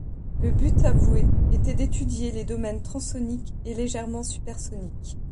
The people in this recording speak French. Le but avoué était d’étudier les domaines transsoniques et légèrement supersoniques.